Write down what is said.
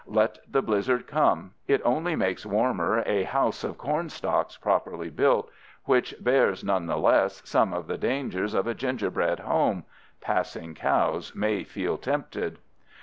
Let the blizzard come; it only makes warmer a house of cornstalks properly built, which bears, nevertheless, some of the dangers of a gingerbread home—passing cows may feel tempted.